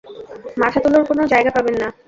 মাথা তোলার কোনো জায়গা পাবেন না।